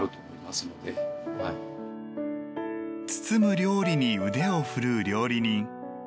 包む料理に腕をふるう料理人。